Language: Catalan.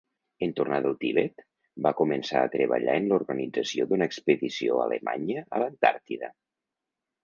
En tornar del Tibet, va començar a treballar en l'organització d'una expedició alemanya a l’Antàrtida.